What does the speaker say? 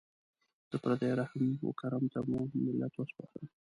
د پردیو رحم و کرم ته مو ملت وسپاره.